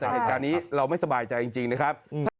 แต่เหตุการณ์นี้เราไม่สบายใจจริงนะครับ